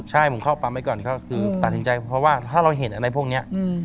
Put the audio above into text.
ใช่ผมเข้าปั๊มไว้ก่อนก็คือตัดสินใจเพราะว่าถ้าเราเห็นอะไรพวกนี้